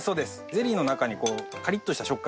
ゼリーの中にカリッとした食感があると。